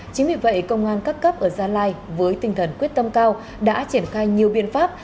chính vì vậy công an các cấp ở gia lai với tinh thần quyết tâm cao đã triển khai nhiều biện pháp